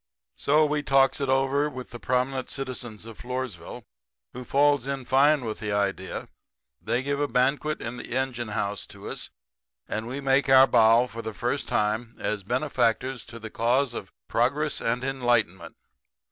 "So we talks it over to the prominent citizens of Floresville, who falls in fine with the idea. They give a banquet in the engine house to us, and we make our bow for the first time as benefactors to the cause of progress and enlightenment.